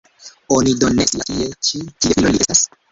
Oni do ne scias tie ĉi, kies filo li estas?